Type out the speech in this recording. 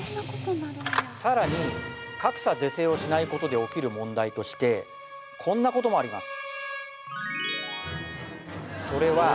さらに格差是正をしないことで起きる問題としてこんなこともあります